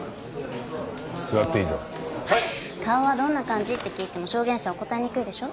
顔はどんな感じって聞いても証言者は答えにくいでしょ。